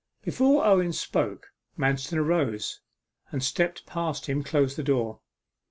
Before Owen had spoken, Manston arose, and stepping past him closed the door.